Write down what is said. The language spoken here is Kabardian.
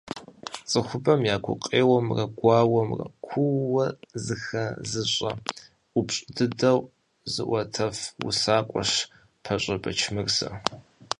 ЦӀыхубэм и гукъеуэмрэ гуауэмрэ куууэ зыхэзыщӀэ, ӀупщӀ дыдэу зыӀуэтэф усакӀуэщ ПащӀэ Бэчмырзэ.